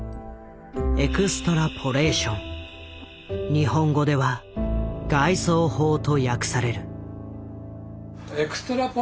日本語では「外挿法」と訳される。